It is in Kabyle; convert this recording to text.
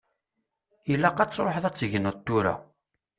Ilaq ad tṛuḥeḍ ad tegneḍ tura.